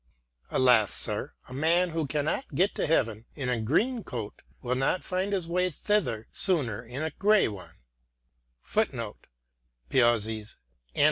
... Alas, sir, a man who cannot get to Heaven in a green coat, will not find his way thither sooner in a grey one."